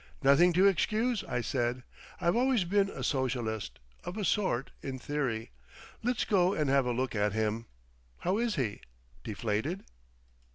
"Nothing to excuse," I said. "I've always been a Socialist—of a sort—in theory. Let's go and have a look at him. How is he? Deflated?"